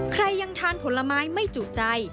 ยังทานผลไม้ไม่จุใจ